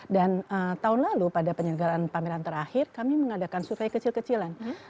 dan tahun lalu pada penyelenggaraan pameran terakhir kami mengadakan survei kecil kecilan